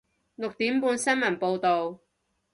六點半鐘新聞報道